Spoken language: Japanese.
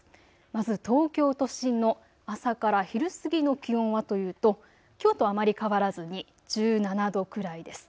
まず東京都心の朝から昼過ぎの気温はというと、きょうとあまり変わらずに１７度くらいです。